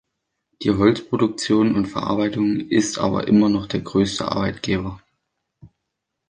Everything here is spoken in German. Die Holzproduktion und Verarbeitung ist aber immer noch der größte Arbeitgeber.